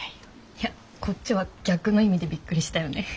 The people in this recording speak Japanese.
いやこっちは逆の意味でびっくりしたよね。